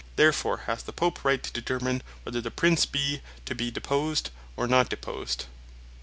Therefore hath the Pope Right, to determine whether the Prince be to be deposed, or not deposed."